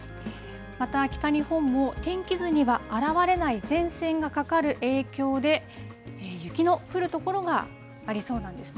また、北日本も天気図には表れない前線がかかる影響で、雪の降る所がありそうなんですね。